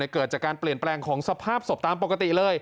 เกิดจากการเปลี่ยนแปลงของสภาพศพตามปกติเลย